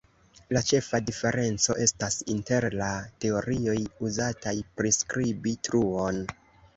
La ĉefa diferenco estas inter la teorioj uzataj priskribi truon.